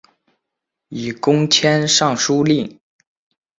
以功迁尚书令。